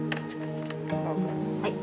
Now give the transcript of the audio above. はい。